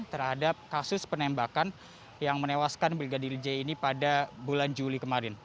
terhadap kasus penembakan yang menewaskan brigadir j ini pada bulan juli kemarin